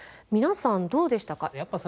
皆さんどうでしたか？